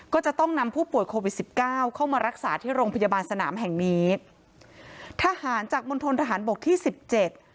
ก็จะต้องนำผู้ป่วยโควิดสิบเก้าเข้ามารักษาที่โรงพยาบาลสนามแห่งนี้ทหารจากมณฑนทหารบกที่สิบเจ็ด